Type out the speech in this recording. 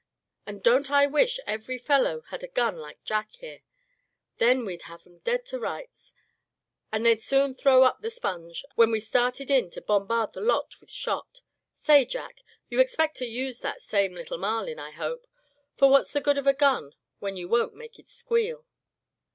"And don't I wish every fellow had a gun like Jack, here. Then we'd have 'em dead to rights, and they'd soon throw up the sponge, when we started in to bombard the lot with shot. Say, Jack, you expect to use that same little Marlin, I hope; for what's the good of a gun when you won't make it squeal?"